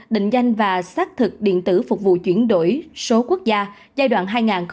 định danh và xác thực điện tử phục vụ chuyển đổi số quốc gia giai đoạn hai nghìn hai mươi một hai nghìn hai mươi năm